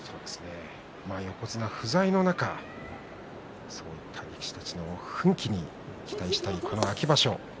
横綱不在の中そういった力士たちの奮起に期待したい秋場所。